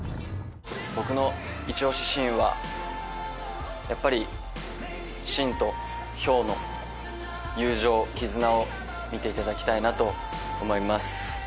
僕のイチ押しシーンはやっぱり信と漂の友情絆を見ていただきたいなと思います。